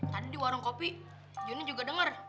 tadi di warung kopi jonny juga denger